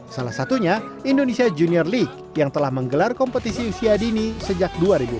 salah satunya indonesia junior league yang telah menggelar kompetisi usia dini sejak dua ribu empat belas